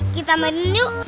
kita mainin yuk